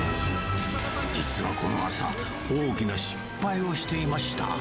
実はこの朝、大きな失敗をしていました。